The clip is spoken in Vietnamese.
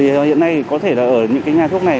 hiện nay có thể là ở những cái nhà thuốc này